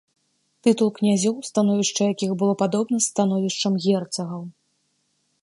Тытул князёў, становішча якіх было падобна з становішчам герцагаў.